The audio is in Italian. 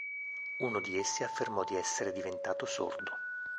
Uno di essi affermò di essere diventato sordo.